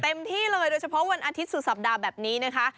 เต็มที่เลยโดยเฉพาะวันอาทิตยสุดสัปดาห์แบบนี้นะคะ